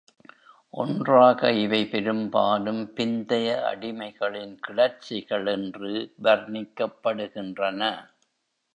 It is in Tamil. ஒன்றாக இவை பெரும்பாலும் "பிந்தைய அடிமைகளின் கிளர்ச்சிகள்" என்று வர்ணிக்கப்படுகின்றன.